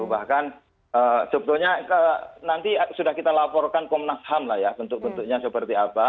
bahkan sebetulnya nanti sudah kita laporkan komnas ham lah ya bentuk bentuknya seperti apa